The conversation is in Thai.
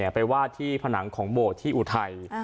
ไปวาดที่ผนังของโบสถ์ที่อุทัย